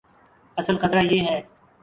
اصل خطرہ یہ ہے۔